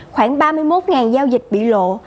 khoảng ba mươi một giao dịch bị lộ